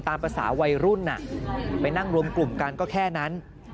ตามภาษาวัยรุ่นไปนั่งรวมกลุ่มกันก็แค่นั้น